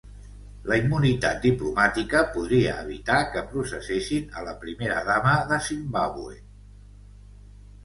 La immunitat diplomàtica podria evitar que processessin a la primera dama de Zimbàbue